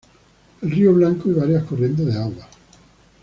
El río Blanco y varias corrientes de agua.